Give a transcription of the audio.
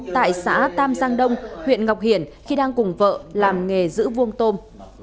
các tàm giang đông huyện ngọc hiển khi đang cùng vợ làm nghề giữ vuông tôm